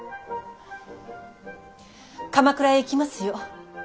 鎌倉へ行きますよ。